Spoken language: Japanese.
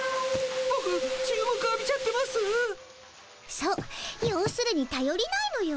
そうようするにたよりないのよ。